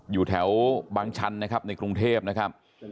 อยู่แถวบางชันในกรุงเทพเมือ